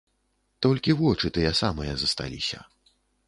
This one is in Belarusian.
Толькі вочы тыя самыя засталіся.